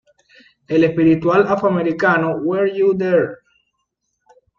El espiritual afro-americano "Were you there?